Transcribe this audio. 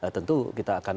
tentu kita akan